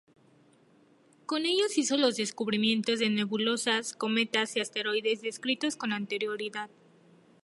Con ellos hizo los descubrimientos de nebulosas, cometas y asteroides descritos con anterioridad.